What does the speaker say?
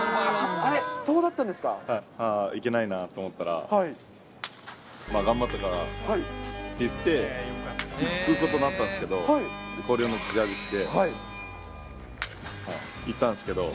あれ、そうだったん行けないなと思ったら、頑張ったからって言って、行くことになったんですけど、高校のジャージ着て行ったんですけど。